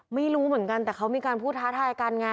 ไม่รู้เหมือนกันแต่เขามีการพูดท้าทายกันไง